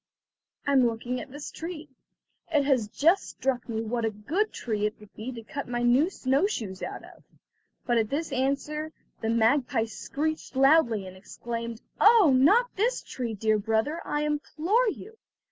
"I'm looking at this tree. It has just struck me what a good tree it would be to cut my new snow shoes out of." But at this answer the magpie screeched loudly, and exclaimed: "Oh, not this tree, dear brother, I implore you!